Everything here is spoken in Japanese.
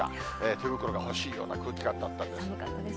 手袋が欲しいような空気感だったんですが。